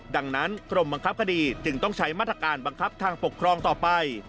ดังนั้นกรมบังคับคดีจึงต้องใช้มาตรการบังคับทางปกครองต่อไป